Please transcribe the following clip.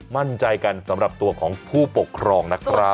มั่นใจกันสำหรับตัวของผู้ปกครองนะครับ